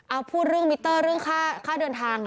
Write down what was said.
เอาพูดเรื่องมิเตอร์เรื่องค่าเดินทาง